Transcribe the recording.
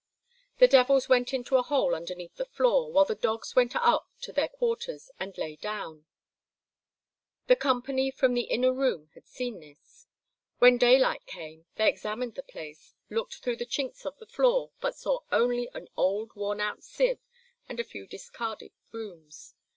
The devils went into a hole underneath the floor, while the dogs went up to their quarters and lay down. The company from the inner room had seen this. When daylight came they examined the place, looked through the chinks of the floor, but saw only an old, worn out sieve and a few discarded brooms.